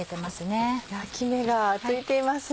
キレイな焼き目がついていますね。